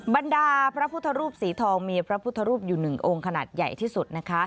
บรรดาพระพุทธรูปสีทองมีพระพุทธรูปอยู่หนึ่งองค์ขนาดใหญ่ที่สุดนะคะ